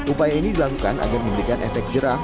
upaya ini dilakukan agar memberikan efek jerah